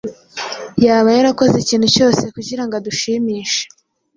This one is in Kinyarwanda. Yaba yarakoze ikintu cyose kugirango adushimishe;